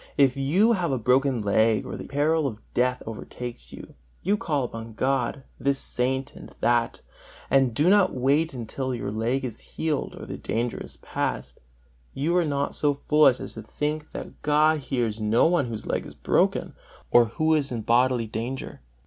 if you have broken a leg, or the peril of death overtakes you, you call upon God, this Saint and that, and do not wait until your leg is healed, or the danger is past: you are not so foolish as to think that God hears no one whose leg is broken, or who is in bodily danger.